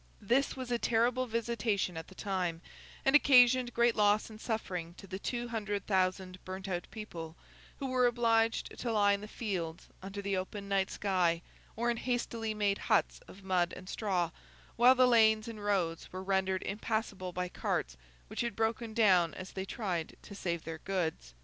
This was a terrible visitation at the time, and occasioned great loss and suffering to the two hundred thousand burnt out people, who were obliged to lie in the fields under the open night sky, or in hastily made huts of mud and straw, while the lanes and roads were rendered impassable by carts which had broken down as they tried to save their goods.